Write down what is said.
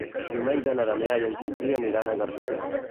Diumenge na Damià i en Quintí aniran a Garcia.